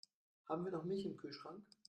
Haben wir noch Milch im Kühlschrank?